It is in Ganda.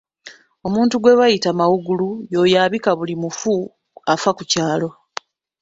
Omuntu gwe bayita mawuugulu y'oyo abika buli mufu afa ku kyalo